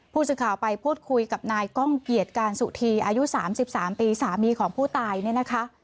ผู้สื่อข่าวไปพูดคุยกับนายก้องเกียรติการสุธีอายุ๓๓ปีสามีของผู้ตายเนี่ยนะคะ